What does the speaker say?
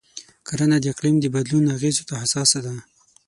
کرنه د اقلیم د بدلون اغېزو ته حساسه ده.